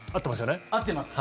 合ってます。